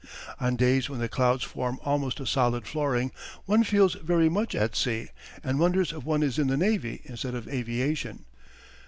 On days when the clouds form almost a solid flooring, one feels very much at sea, and wonders if one is in the navy instead of aviation.